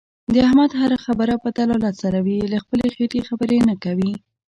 د احمد هر خبره په دلالت سره وي. له خپلې خېټې خبرې نه کوي.